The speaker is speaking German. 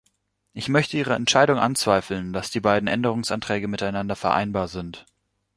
Ich möchte Ihre Entscheidung anzweifeln, dass die beiden Änderungsanträge miteinander vereinbar sind.